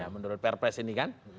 menurut prpes ini kan